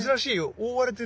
覆われてる。